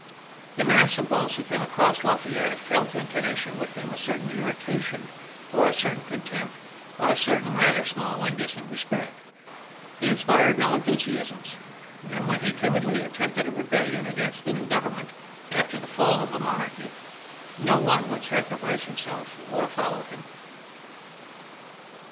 The mass of those who came across La Fayette felt in connection with him a certain irritation or a certain contempt or a certain rather small and distant respect ; he inspired no enthusiasms, and when he timidly attempted a rebellion against the new Government after the fall of the monarchy, no one would sacri fice himself or follow him.